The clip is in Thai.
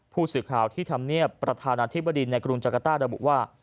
ผู้สื่อข่าวที่ทำเนียบประธานาธิบดีในกรุงจักรต้าระบุว่า